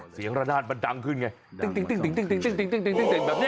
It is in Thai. เสียงละนาดมันดังขึ้นไงติ๊งแบบนี้